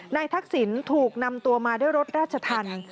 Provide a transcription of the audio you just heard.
นายทักษิณภัยถูกนำตัวมาด้วยรถราชทัน